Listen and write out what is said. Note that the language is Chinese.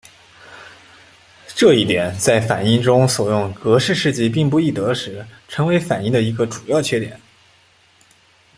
这一点在反应中所用格氏试剂并不易得时成为反应的一个主要缺点。